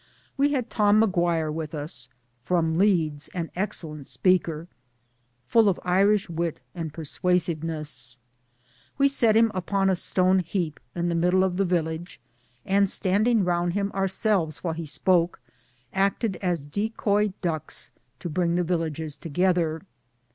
We had Tom Maguire with us, from 1 Leeds, an excellent speaker, full of Irish wit and persuasiveness. <We set him upon a stoneheap in the middle of the village and standing! round him ourselves while he spoke, acted as decoy ducks to SHEFFIELD AND SOCIALISM 135 bring the villagers together.